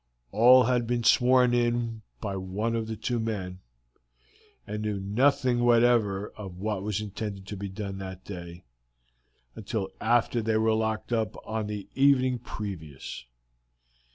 All had been sworn in by one of two men, and knew nothing whatever of what was intended to be done that day, until after they were locked up on the evening previous.